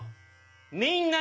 みんなに。